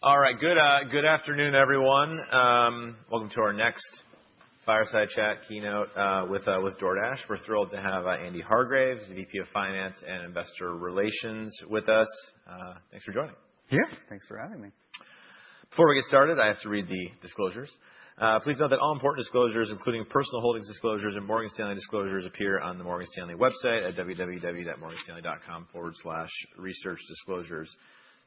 All right, good afternoon, everyone. Welcome to our next fireside chat keynote with DoorDash. We're thrilled to have Andy Hargreaves, VP of Finance and Investor Relations, with us. Thanks for joining. Yeah, thanks for having me. Before we get started, I have to read the disclosures. Please note that all important disclosures, including personal holdings disclosures and Morgan Stanley disclosures, appear on the Morgan Stanley website at www.morganstanley.com/researchdisclosures.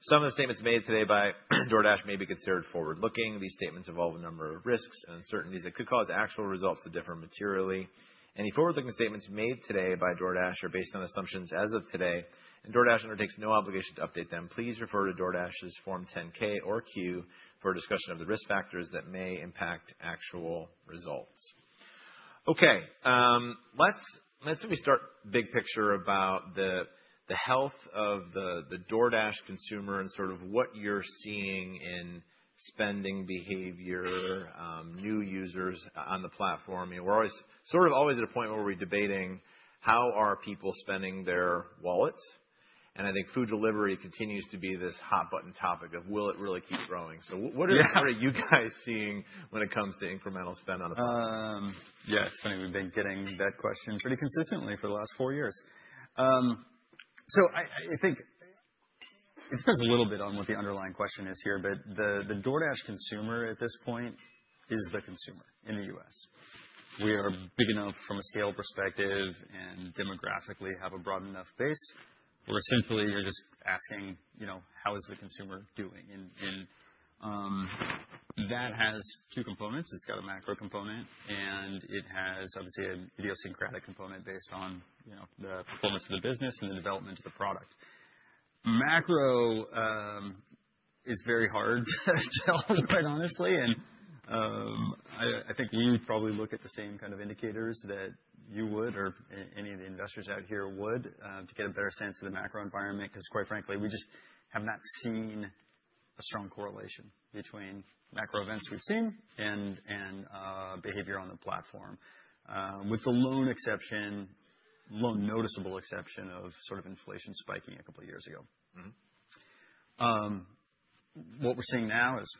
Some of the statements made today by DoorDash may be considered forward-looking. These statements involve a number of risks and uncertainties that could cause actual results to differ materially. Any forward-looking statements made today by DoorDash are based on assumptions as of today, and DoorDash undertakes no obligation to update them. Please refer to DoorDash's Form 10-K or Q for a discussion of the risk factors that may impact actual results. Okay, let's maybe start big picture about the health of the DoorDash consumer and sort of what you're seeing in spending behavior, new users on the platform. We're always sort of always at a point where we're debating how are people spending their wallets. I think food delivery continues to be this hot-button topic of will it really keep growing? What are you guys seeing when it comes to incremental spend on a platform? Yeah, it's funny, we've been getting that question pretty consistently for the last four years. So I think it depends a little bit on what the underlying question is here, but the DoorDash consumer at this point is the consumer in the U.S. We are big enough from a scale perspective and demographically have a broad enough base where essentially you're just asking, how is the consumer doing? And that has two components. It's got a macro component, and it has obviously an idiosyncratic component based on the performance of the business and the development of the product. Macro is very hard to tell, quite honestly, and I think we would probably look at the same kind of indicators that you would or any of the investors out here would to get a better sense of the macro environment because, quite frankly, we just have not seen a strong correlation between macro events we've seen and behavior on the platform, with the lone noticeable exception of sort of inflation spiking a couple of years ago. What we're seeing now is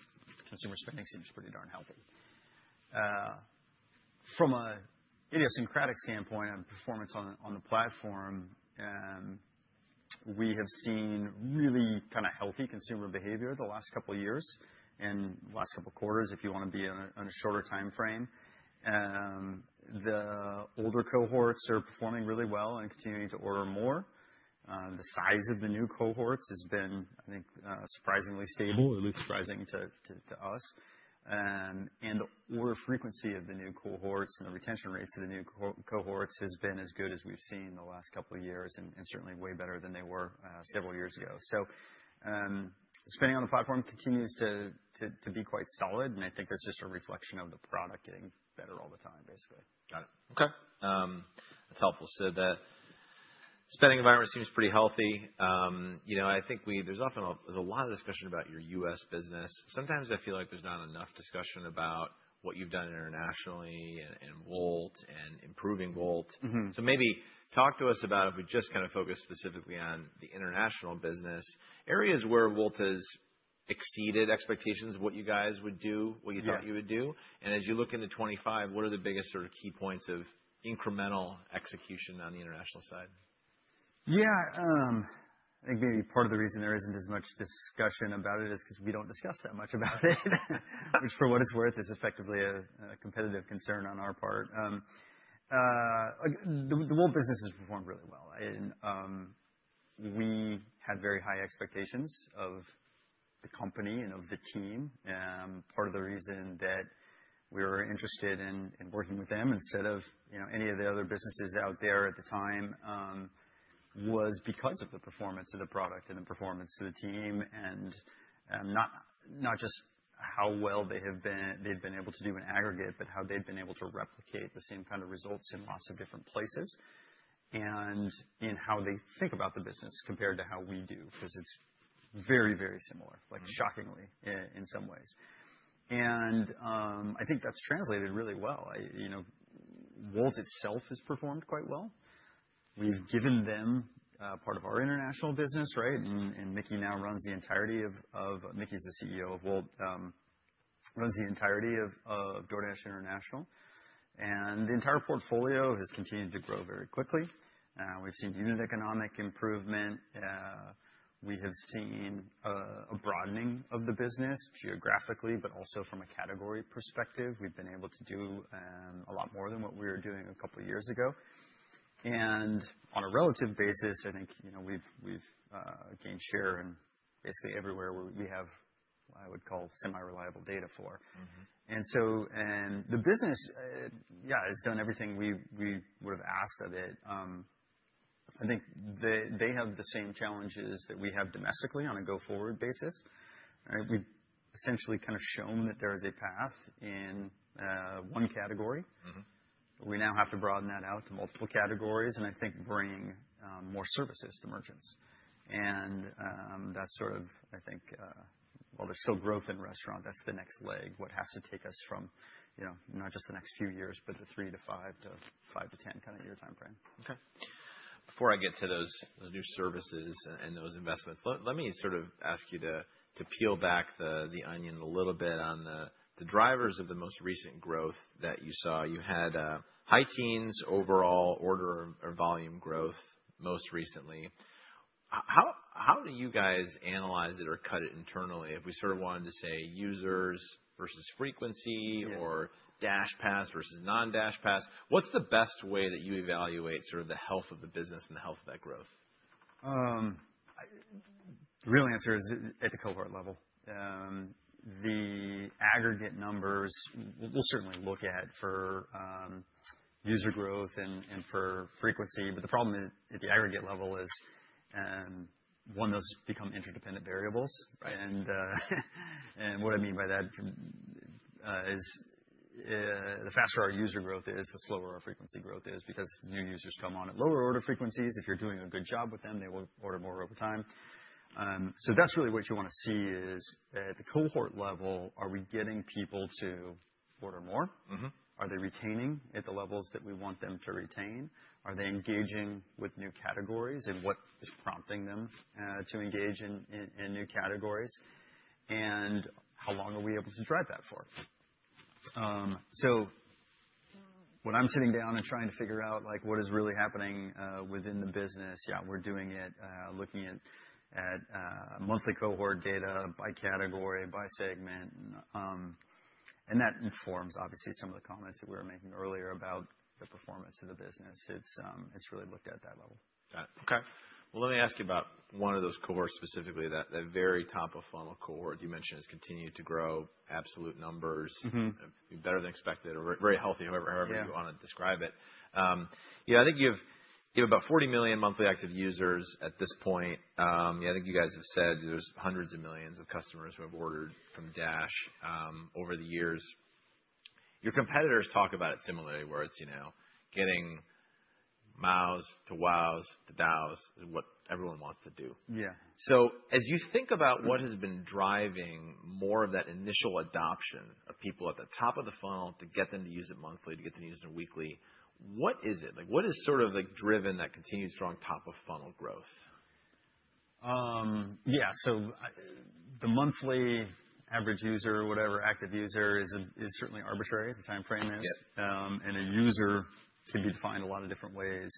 consumer spending seems pretty darn healthy. From an idiosyncratic standpoint on performance on the platform, we have seen really kind of healthy consumer behavior the last couple of years and last couple of quarters, if you want to be on a shorter time frame. The older cohorts are performing really well and continuing to order more. The size of the new cohorts has been, I think, surprisingly stable, at least surprising to us, and the order frequency of the new cohorts and the retention rates of the new cohorts has been as good as we've seen in the last couple of years and certainly way better than they were several years ago, so spending on the platform continues to be quite solid, and I think that's just a reflection of the product getting better all the time, basically. Got it. Okay, that's helpful. So the spending environment seems pretty healthy. I think there's often a lot of discussion about your U.S. business. Sometimes I feel like there's not enough discussion about what you've done internationally and Wolt and improving Wolt. So maybe talk to us about, if we just kind of focus specifically on the international business, areas where Wolt has exceeded expectations of what you guys would do, what you thought you would do. And as you look into 2025, what are the biggest sort of key points of incremental execution on the international side? Yeah, I think maybe part of the reason there isn't as much discussion about it is because we don't discuss that much about it, which for what it's worth is effectively a competitive concern on our part. The Wolt business has performed really well. We had very high expectations of the company and of the team. Part of the reason that we were interested in working with them instead of any of the other businesses out there at the time was because of the performance of the product and the performance of the team and not just how well they had been able to do an aggregate, but how they'd been able to replicate the same kind of results in lots of different places and in how they think about the business compared to how we do because it's very, very similar, shockingly in some ways. And I think that's translated really well. Wolt itself has performed quite well. We've given them part of our international business, right? And Miki now runs the entirety of DoorDash International. Miki's the CEO of Wolt. And the entire portfolio has continued to grow very quickly. We've seen unit economics improvement. We have seen a broadening of the business geographically, but also from a category perspective. We've been able to do a lot more than what we were doing a couple of years ago. And on a relative basis, I think we've gained share in basically everywhere where we have what I would call semi-reliable data for. And the business, yeah, has done everything we would have asked of it. I think they have the same challenges that we have domestically on a go-forward basis. We've essentially kind of shown that there is a path in one category. We now have to broaden that out to multiple categories and I think bring more services to merchants, and that's sort of, I think, while there's still growth in restaurant, that's the next leg, what has to take us from not just the next few years, but the three-to-five to five-to-ten kind of year time frame. Okay. Before I get to those new services and those investments, let me sort of ask you to peel back the onion a little bit on the drivers of the most recent growth that you saw. You had high teens overall order or volume growth most recently. How do you guys analyze it or cut it internally? If we sort of wanted to say users versus frequency or DashPass versus non-DashPass, what's the best way that you evaluate sort of the health of the business and the health of that growth? The real answer is at the cohort level. The aggregate numbers we'll certainly look at for user growth and for frequency, but the problem at the aggregate level is, one, those become interdependent variables, and what I mean by that is the faster our user growth is, the slower our frequency growth is because new users come on at lower order frequencies. If you're doing a good job with them, they will order more over time, so that's really what you want to see is at the cohort level, are we getting people to order more? Are they retaining at the levels that we want them to retain? Are they engaging with new categories and what is prompting them to engage in new categories, and how long are we able to drive that for? When I'm sitting down and trying to figure out what is really happening within the business, yeah, we're doing it looking at monthly cohort data by category, by segment. That informs, obviously, some of the comments that we were making earlier about the performance of the business. It's really looked at that level. Got it. Okay. Well, let me ask you about one of those cohorts specifically, that very top of funnel cohort you mentioned has continued to grow, absolute numbers, better than expected, or very healthy, however you want to describe it. I think you have about 40 million monthly active users at this point. I think you guys have said there's hundreds of millions of customers who have ordered from Dash over the years. Your competitors talk about it similarly, where it's getting MAUs to WAUs to DAUs, what everyone wants to do. So as you think about what has been driving more of that initial adoption of people at the top of funnel to get them to use it monthly, to get them to use it weekly, what is it? What has sort of driven that continued strong top of funnel growth? Yeah, so the monthly active user, whatever active user is, is certainly arbitrary, the time frame is, and a user can be defined a lot of different ways.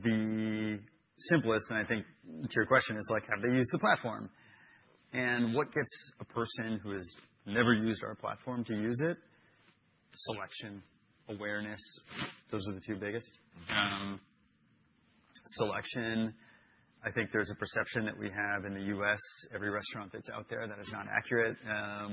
The simplest, and I think to your question is like, have they used the platform, and what gets a person who has never used our platform to use it? Selection, awareness, those are the two biggest. Selection, I think there's a perception that we have in the U.S., every restaurant that's out there, that is not accurate.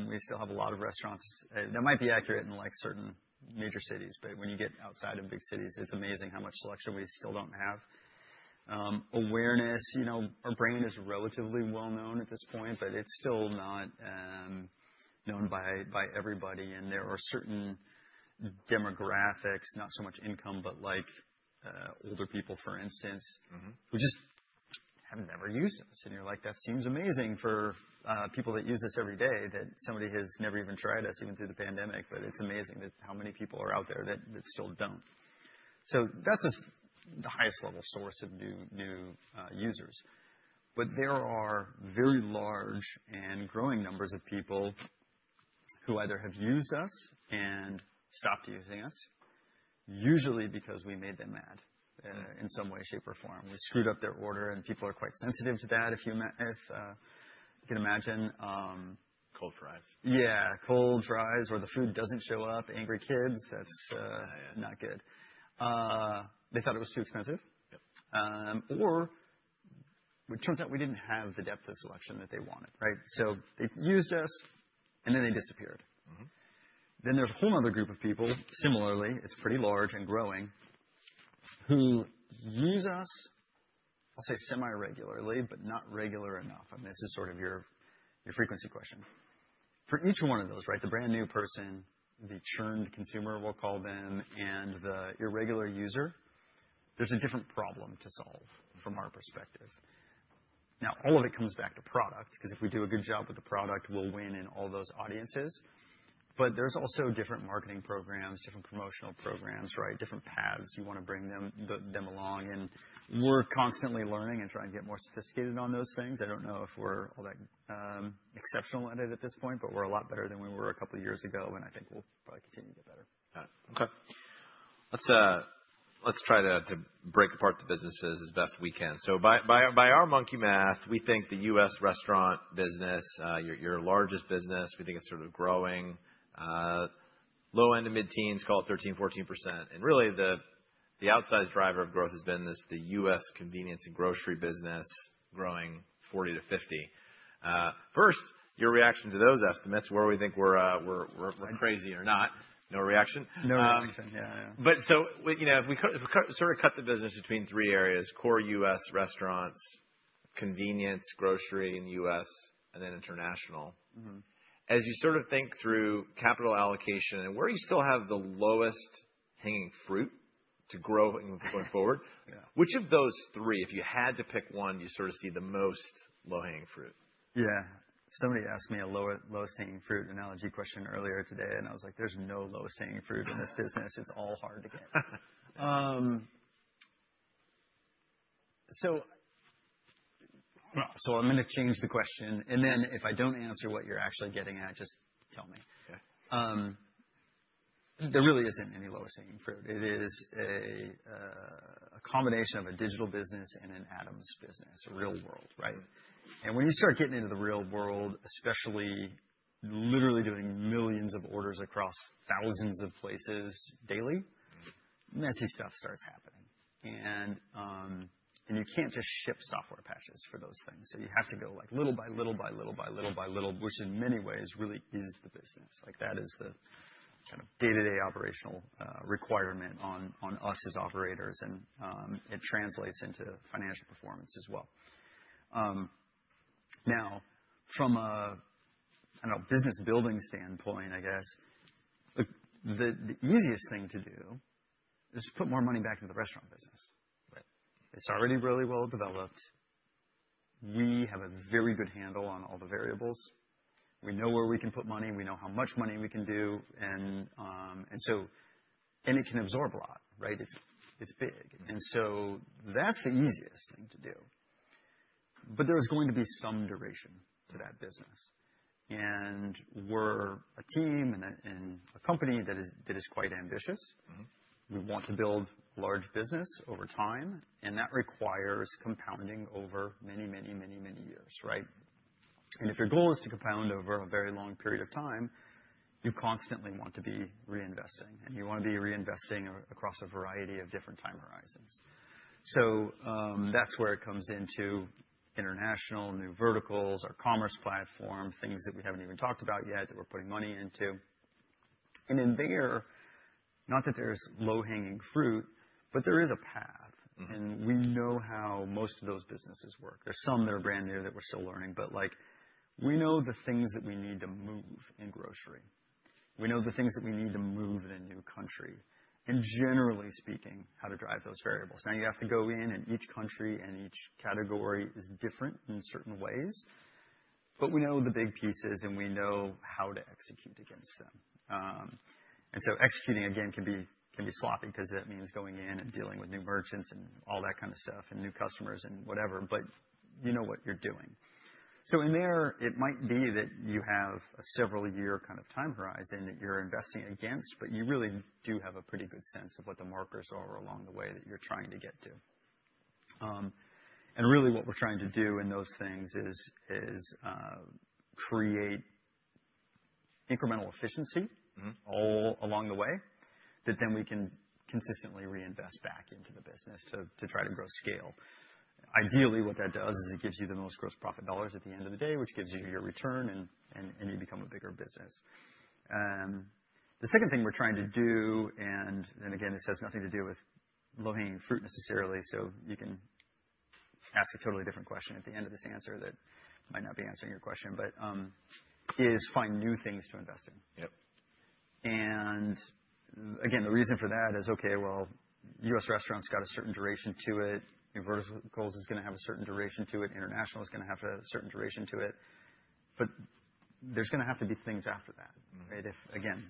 We still have a lot of restaurants that might be accurate in certain major cities, but when you get outside of big cities, it's amazing how much selection we still don't have. Awareness, our brand is relatively well known at this point, but it's still not known by everybody. And there are certain demographics, not so much income, but like older people, for instance, who just have never used us. And you're like, that seems amazing for people that use us every day that somebody has never even tried us, even through the pandemic. But it's amazing how many people are out there that still don't. So that's the highest level source of new users. But there are very large and growing numbers of people who either have used us and stopped using us, usually because we made them mad in some way, shape, or form. We screwed up their order, and people are quite sensitive to that, if you can imagine. Cold fries. Yeah, cold fries where the food doesn't show up, angry kids, that's not good. They thought it was too expensive. Or it turns out we didn't have the depth of selection that they wanted, right? So they used us and then they disappeared. Then there's a whole nother group of people, similarly, it's pretty large and growing, who use us, I'll say semi-regularly, but not regular enough. And this is sort of your frequency question. For each one of those, right, the brand new person, the churned consumer, we'll call them, and the irregular user, there's a different problem to solve from our perspective. Now, all of it comes back to product because if we do a good job with the product, we'll win in all those audiences. But there's also different marketing programs, different promotional programs, right? Different paths you want to bring them along. We're constantly learning and trying to get more sophisticated on those things. I don't know if we're all that exceptional at it at this point, but we're a lot better than we were a couple of years ago, and I think we'll probably continue to get better. Got it. Okay. Let's try to break apart the businesses as best we can. So by our monkey math, we think the U.S. restaurant business, your largest business, we think it's sort of growing low end to mid-teens, call it 13%-14%. And really the outsized driver of growth has been the U.S. convenience and grocery business growing 40%-50%. First, your reaction to those estimates, where we think we're crazy or not, no reaction. No reaction. Yeah, yeah. But so if we sort of cut the business between three areas, core U.S. restaurants, convenience, grocery in the U.S., and then international, as you sort of think through capital allocation and where you still have the lowest hanging fruit to grow going forward, which of those three, if you had to pick one, you sort of see the most low hanging fruit? Yeah. Somebody asked me a lowest hanging fruit analogy question earlier today, and I was like, there's no lowest hanging fruit in this business. It's all hard to get. So I'm going to change the question, and then if I don't answer what you're actually getting at, just tell me. There really isn't any lowest hanging fruit. It is a combination of a digital business and an atoms business, a real world, right? And when you start getting into the real world, especially literally doing millions of orders across thousands of places daily, messy stuff starts happening. And you can't just ship software patches for those things. So you have to go little by little by little by little by little, which in many ways really is the business. That is the kind of day-to-day operational requirement on us as operators, and it translates into financial performance as well. Now, from a business building standpoint, I guess the easiest thing to do is put more money back into the restaurant business. It's already really well developed. We have a very good handle on all the variables. We know where we can put money. We know how much money we can do. And it can absorb a lot, right? It's big. And so that's the easiest thing to do. But there is going to be some duration to that business. And we're a team and a company that is quite ambitious. We want to build a large business over time, and that requires compounding over many, many, many, many years, right? And if your goal is to compound over a very long period of time, you constantly want to be reinvesting, and you want to be reinvesting across a variety of different time horizons. So that's where it comes into international, new verticals, our commerce platform, things that we haven't even talked about yet that we're putting money into. And in there, not that there's low hanging fruit, but there is a path. And we know how most of those businesses work. There's some that are brand new that we're still learning, but we know the things that we need to move in grocery. We know the things that we need to move in a new country, and generally speaking, how to drive those variables. Now, you have to go in, and each country and each category is different in certain ways, but we know the big pieces, and we know how to execute against them. And so executing, again, can be sloppy because that means going in and dealing with new merchants and all that kind of stuff and new customers and whatever, but you know what you're doing. So in there, it might be that you have a several-year kind of time horizon that you're investing against, but you really do have a pretty good sense of what the markers are along the way that you're trying to get to. And really what we're trying to do in those things is create incremental efficiency all along the way that then we can consistently reinvest back into the business to try to grow scale. Ideally, what that does is it gives you the most gross profit dollars at the end of the day, which gives you your return, and you become a bigger business. The second thing we're trying to do, and then again, this has nothing to do with low hanging fruit necessarily, so you can ask a totally different question at the end of this answer that might not be answering your question, but is find new things to invest in, and again, the reason for that is, okay, well, U.S. restaurants got a certain duration to it. Verticals is going to have a certain duration to it. International is going to have a certain duration to it, but there's going to have to be things after that, right? Again,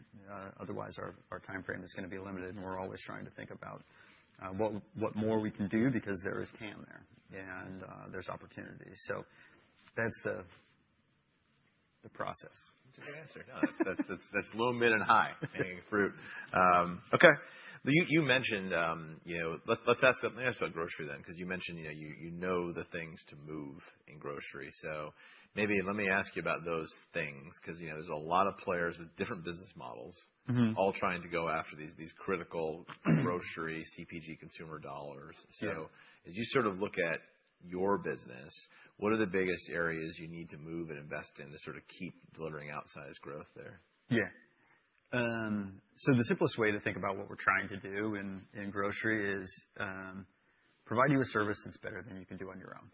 otherwise our time frame is going to be limited, and we're always trying to think about what more we can do because there is room there and there's opportunity, so that's the process. That's a good answer. No, that's low-, mid-, and high-hanging fruit. Okay. You mentioned, let's ask about grocery then, because you mentioned you know the things to move in grocery. So maybe let me ask you about those things, because there's a lot of players with different business models all trying to go after these critical grocery CPG consumer dollars. So as you sort of look at your business, what are the biggest areas you need to move and invest in to sort of keep delivering outsized growth there? Yeah, so the simplest way to think about what we're trying to do in grocery is provide you a service that's better than you can do on your own,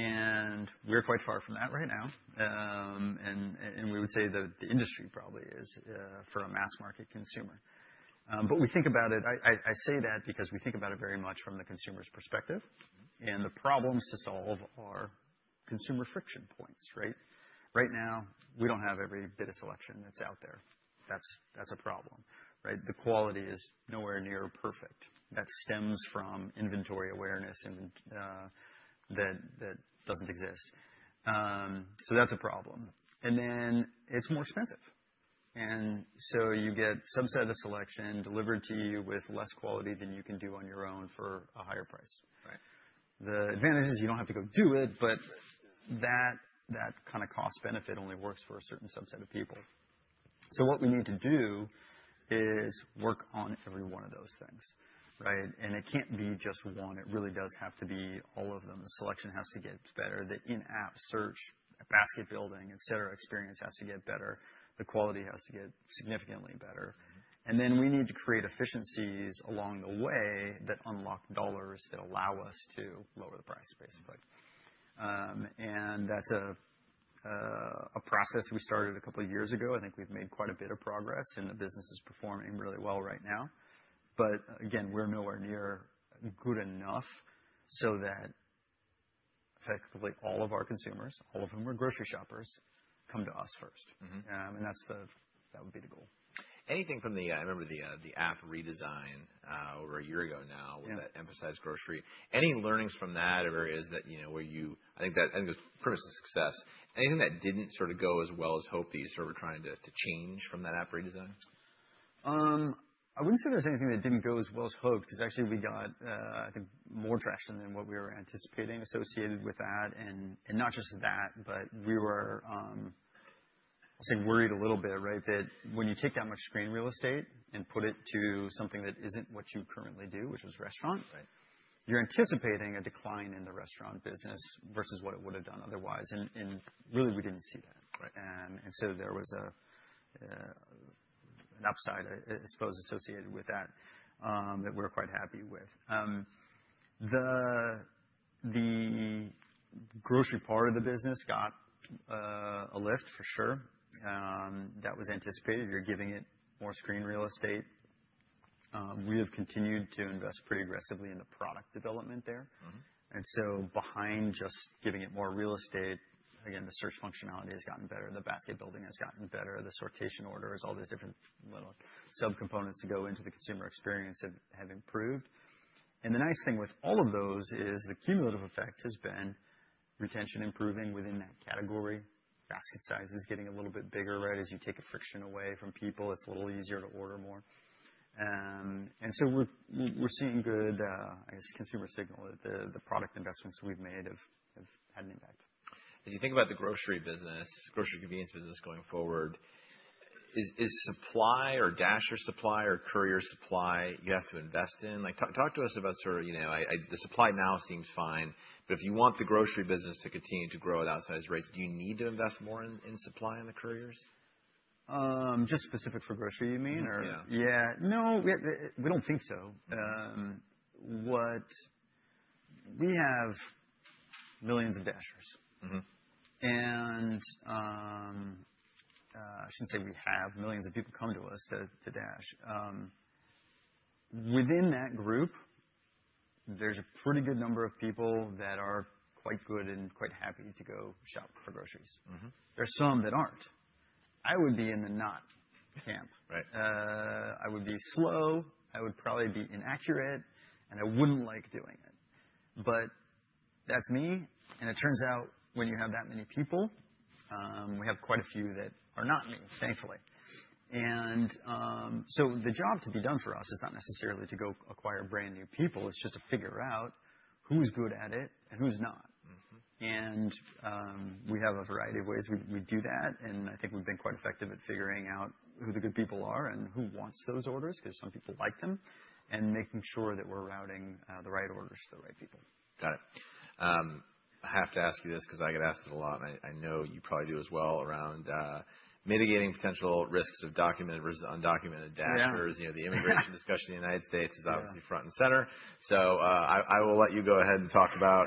and we're quite far from that right now, and we would say that the industry probably is for a mass market consumer, but we think about it, I say that because we think about it very much from the consumer's perspective, and the problems to solve are consumer friction points, right? Right now, we don't have every bit of selection that's out there. That's a problem, right? The quality is nowhere near perfect. That stems from inventory awareness that doesn't exist, so that's a problem, and then it's more expensive, and so you get some set of selection delivered to you with less quality than you can do on your own for a higher price. The advantage is you don't have to go do it, but that kind of cost benefit only works for a certain subset of people. So what we need to do is work on every one of those things, right? And it can't be just one. It really does have to be all of them. The selection has to get better. The in-app search, basket building, etc. experience has to get better. The quality has to get significantly better. And then we need to create efficiencies along the way that unlock dollars that allow us to lower the price, basically. And that's a process we started a couple of years ago. I think we've made quite a bit of progress, and the business is performing really well right now. But again, we're nowhere near good enough so that effectively all of our consumers, all of whom are grocery shoppers, come to us first. And that would be the goal. Anything from the. I remember the app redesign over a year ago now with that emphasized grocery. Any learnings from that or areas where you, I think that's premise of success. Anything that didn't sort of go as well as hoped that you sort of were trying to change from that app redesign? I wouldn't say there's anything that didn't go as well as hoped, because actually we got, I think, more traction than what we were anticipating associated with that. And not just that, but we were, I'll say, worried a little bit, right, that when you take that much screen real estate and put it to something that isn't what you currently do, which was restaurant, you're anticipating a decline in the restaurant business versus what it would have done otherwise. And really, we didn't see that. And so there was an upside, I suppose, associated with that that we're quite happy with. The grocery part of the business got a lift for sure. That was anticipated. You're giving it more screen real estate. We have continued to invest pretty aggressively in the product development there. And so behind just giving it more real estate, again, the search functionality has gotten better. The basket building has gotten better. The sortation orders, all those different subcomponents that go into the consumer experience have improved. And the nice thing with all of those is the cumulative effect has been retention improving within that category. Basket size is getting a little bit bigger, right? As you take a friction away from people, it's a little easier to order more. And so we're seeing good, I guess, consumer signal that the product investments we've made have had an impact. As you think about the grocery business, grocery convenience business going forward, is supply or Dasher supply or courier supply you have to invest in? Talk to us about sort of the supply now seems fine, but if you want the grocery business to continue to grow at outsized rates, do you need to invest more in supply and the couriers? Just specific for grocery, you mean? Yeah. Yeah. No, we don't think so. We have millions of Dashers, and I shouldn't say we have millions of people come to us to Dash. Within that group, there's a pretty good number of people that are quite good and quite happy to go shop for groceries. There are some that aren't. I would be in the not camp. I would be slow. I would probably be inaccurate, and I wouldn't like doing it, but that's me, and it turns out when you have that many people, we have quite a few that are not me, thankfully, and so the job to be done for us is not necessarily to go acquire brand new people. It's just to figure out who's good at it and who's not, and we have a variety of ways we do that. I think we've been quite effective at figuring out who the good people are and who wants those orders because some people like them, and making sure that we're routing the right orders to the right people. Got it. I have to ask you this because I get asked it a lot, and I know you probably do as well around mitigating potential risks of documented versus undocumented Dashers. The immigration discussion in the United States is obviously front and center, so I will let you go ahead and talk about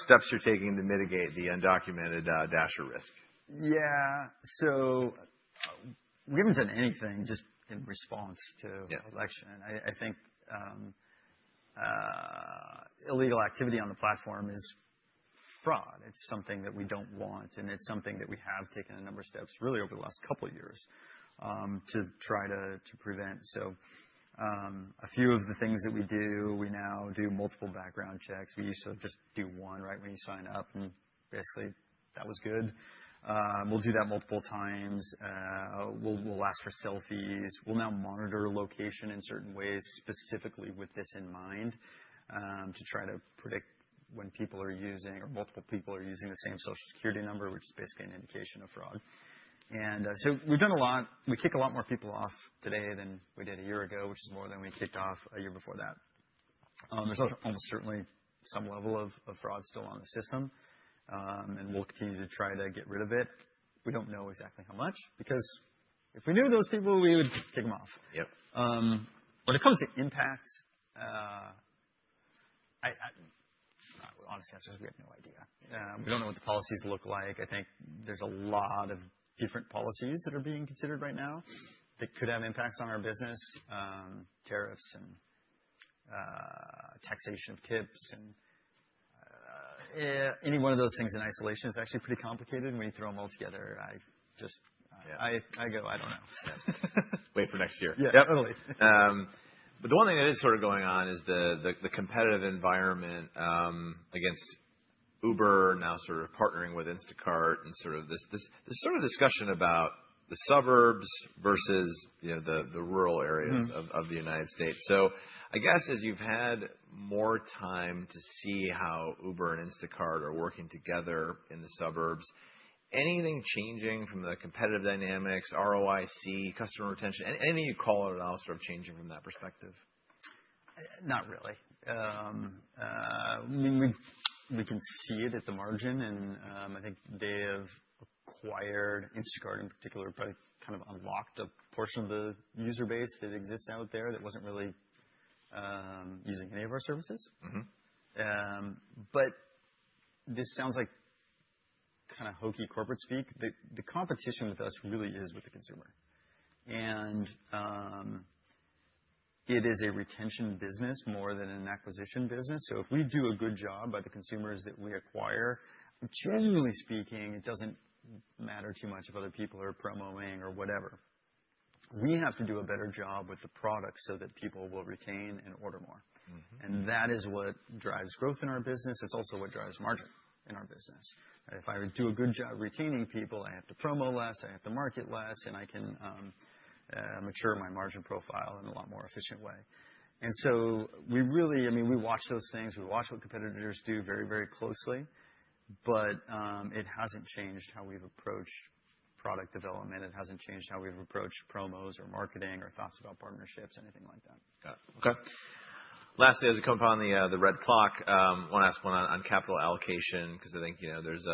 steps you're taking to mitigate the undocumented Dasher risk. Yeah. So we haven't done anything just in response to the election. I think illegal activity on the platform is fraud. It's something that we don't want, and it's something that we have taken a number of steps really over the last couple of years to try to prevent. So a few of the things that we do, we now do multiple background checks. We used to just do one right when you sign up, and basically that was good. We'll do that multiple times. We'll ask for selfies. We'll now monitor location in certain ways, specifically with this in mind to try to predict when people are using or multiple people are using the same Social Security number, which is basically an indication of fraud. And so we've done a lot. We kick a lot more people off today than we did a year ago, which is more than we kicked off a year before that. There's almost certainly some level of fraud still on the system, and we'll continue to try to get rid of it. We don't know exactly how much because if we knew those people, we would kick them off. When it comes to impact, honest answer is we have no idea. We don't know what the policies look like. I think there's a lot of different policies that are being considered right now that could have impacts on our business: tariffs and taxation of tips, and any one of those things in isolation is actually pretty complicated. When you throw them all together, I go, I don't know. Wait for next year. Yeah, totally. But the one thing that is sort of going on is the competitive environment against Uber, now sort of partnering with Instacart and sort of this sort of discussion about the suburbs versus the rural areas of the United States. So I guess as you've had more time to see how Uber and Instacart are working together in the suburbs, anything changing from the competitive dynamics, ROIC, customer retention, anything you call it at all sort of changing from that perspective? Not really. I mean, we can see it at the margin, and I think they have acquired Instacart in particular, but kind of unlocked a portion of the user base that exists out there that wasn't really using any of our services. But this sounds like kind of hokey corporate speak. The competition with us really is with the consumer. And it is a retention business more than an acquisition business. So if we do a good job by the consumers that we acquire, generally speaking, it doesn't matter too much if other people are promoting or whatever. We have to do a better job with the product so that people will retain and order more. And that is what drives growth in our business. It's also what drives margin in our business. If I do a good job retaining people, I have to promote less, I have to market less, and I can mature my margin profile in a lot more efficient way, and so we really, I mean, we watch those things. We watch what competitors do very, very closely, but it hasn't changed how we've approached product development. It hasn't changed how we've approached promos or marketing or thoughts about partnerships, anything like that. Got it. Okay. Lastly, as we come up on the red clock, I want to ask one on capital allocation because I think there's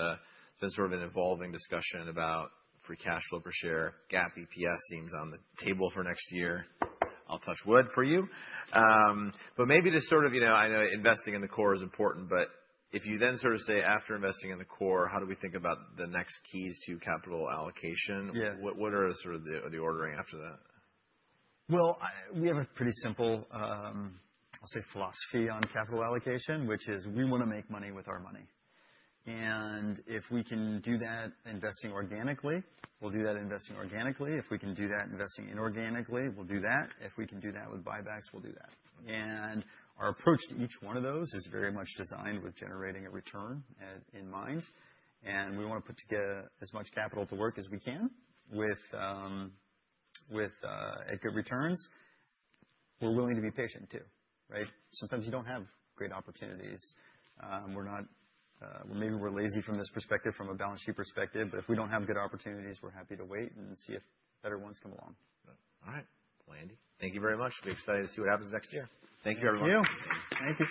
been sort of an evolving discussion about free cash flow per share. GAAP EPS seems on the table for next year. I'll touch wood for you. But maybe to sort of, I know investing in the core is important, but if you then sort of say after investing in the core, how do we think about the next keys to capital allocation? What are sort of the ordering after that? We have a pretty simple, I'll say, philosophy on capital allocation, which is we want to make money with our money. If we can do that investing organically, we'll do that investing organically. If we can do that investing inorganically, we'll do that. If we can do that with buybacks, we'll do that. Our approach to each one of those is very much designed with generating a return in mind. We want to put together as much capital to work as we can at good returns. We're willing to be patient too, right? Sometimes you don't have great opportunities. Maybe we're lazy from this perspective, from a balance sheet perspective, but if we don't have good opportunities, we're happy to wait and see if better ones come along. All right. Well, Andy, thank you very much. We'll be excited to see what happens next year. Thank you, everyone. Thank you.